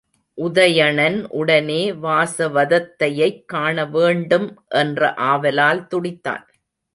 உதயணன் உடனே வாசவதத்தையைக் காணவேண்டும் என்ற ஆவலால் துடித்தான்.